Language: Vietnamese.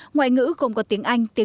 ngoại ngữ gồm có tiếng anh tiếng việt